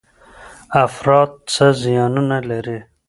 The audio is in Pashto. افراط څه زیانونه لري؟